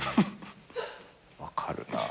分かるな。